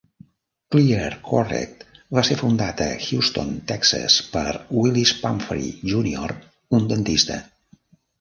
ClearCorrect va ser fundat a Houston, Texas, per Willis Pumphrey, Junior, un dentista.